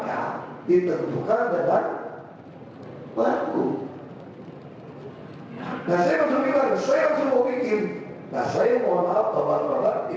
apakah ada kejuruan gpres yang mengatur reklamasi